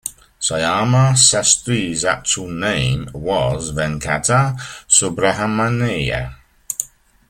Syama Sastri's actual name was Venkata Subrahmanya.